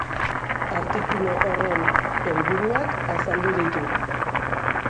Artikulu horren helburuak azaldu ditu.